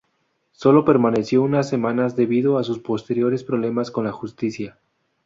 Solo permaneció unas semanas debido a sus posteriores problemas con la Justicia.